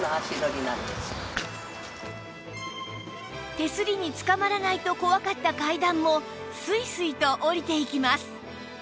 手すりにつかまらないと怖かった階段もスイスイと下りていきます